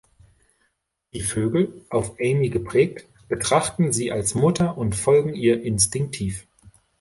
Die Vögel, auf Amy geprägt, betrachten sie als Mutter und folgen ihr instinktiv.